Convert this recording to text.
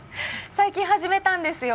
最近始めたんですよ。